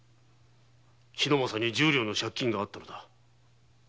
桧政に十両の借金があったのだ。